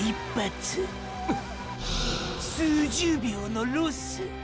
数十秒のロス。